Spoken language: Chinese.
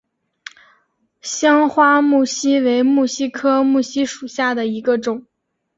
香花木犀为木犀科木犀属下的一个种。